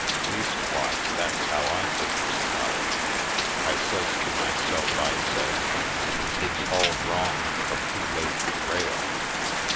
Leastwise, that's how I figures it out. I says to myself, I says : "It's all wrong frum who laid the rail.